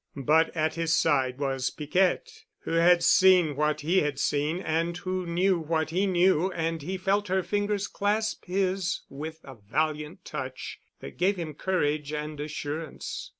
But at his side was Piquette, who had seen what he had seen and who knew what he knew and he felt her fingers clasp his with a valiant touch that gave him courage and assurance.